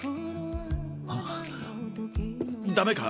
あっダメか？